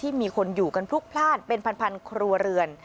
มีคนอยู่กันพลุกพลาดเป็นพันครัวเรือน